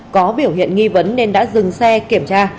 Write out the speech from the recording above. có biểu hiện nghi vấn nên đã dừng xe kiểm tra